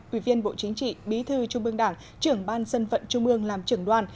ủy viên bộ chính trị bí thư trung ương đảng trưởng ban dân vận trung ương làm trưởng đoàn